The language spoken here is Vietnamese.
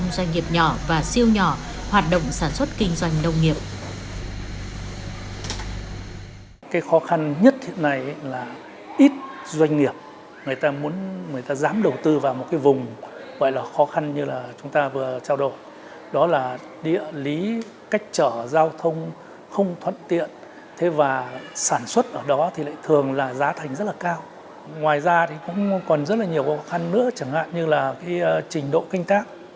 doanh nghiệp nhỏ và siêu nhỏ hoạt động sản xuất kinh doanh nông nghiệp